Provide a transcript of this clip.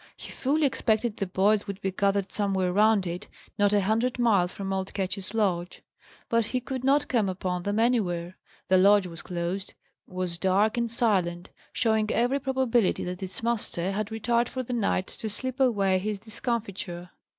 He fully expected the boys would be gathered somewhere round it, not a hundred miles from old Ketch's lodge. But he could not come upon them anywhere. The lodge was closed, was dark and silent, showing every probability that its master had retired for the night to sleep away his discomfiture.